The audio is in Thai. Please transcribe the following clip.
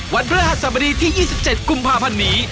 วันพระหัศจรรยีที่๒๗กุมภาพันธ์นี้